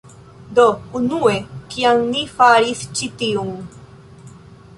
Do, unue kiam ni faris ĉi tiun...